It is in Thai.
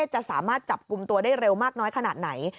จะสามารถจับกลุ่มตัวได้เร็วมากน้อยขนาดไหน